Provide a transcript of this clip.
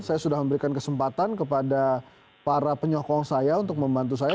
saya sudah memberikan kesempatan kepada para penyokong saya untuk membantu saya